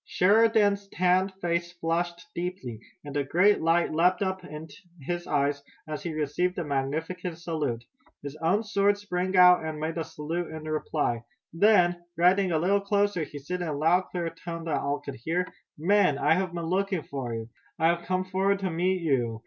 Sheridan's tanned face flushed deeply, and a great light leaped up in his eyes, as he received the magnificent salute. His own sword sprang out, and made the salute in reply. Then, riding a little closer, he said in a loud, clear tone that all could hear: "Men, I have been looking for you! I have come forward to meet you!